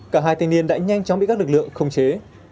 cả hai thanh niên đã nhanh chóng bị các lực lượng khống chế